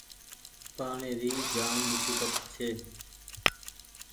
پآڻيٚ ري جآم مسيبت ڇي۔